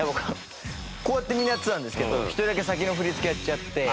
こうやってみんなやってたんですけど１人だけ先の振り付けやっちゃって。